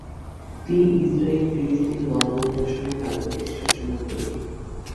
তিনি ইসরায়েল -ফিলিস্তিন দ্বন্দ্ব নিরসনে তার প্রচেষ্টার জন্য পরিচিত।